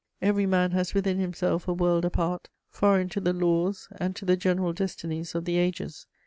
Every man has within himself a world apart, foreign to the laws and to the general destinies of the ages.